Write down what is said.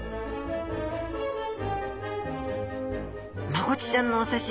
マゴチちゃんのお刺身